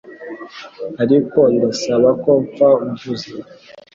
Ariko ndasaba ko mfa mvuze